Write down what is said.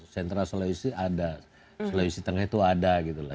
central sulawesi ada sulawesi tengah itu ada